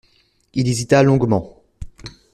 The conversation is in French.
Il hésita longuement.